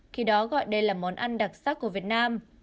khi đó gọi đây là món ăn đặc sắc của việt nam